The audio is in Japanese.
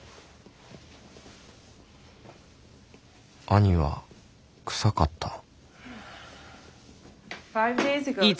兄は臭かったん？